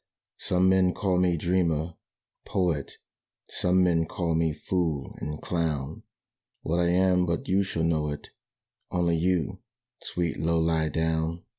"Some men call me dreamer, poet: Some men call me fool and clown What I am but you shall know it, Only you, sweet Low lie down."